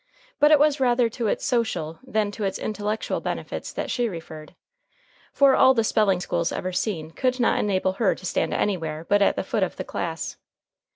But it was rather to its social than to its intellectual benefits that she referred. For all the spelling schools ever seen could not enable her to stand anywhere but at the foot of the class.